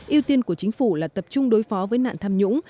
yêu tiên của chính phủ là tập trung đối phó với nạn tham nhũng